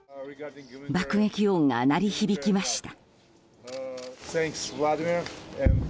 爆撃音が鳴り響きました。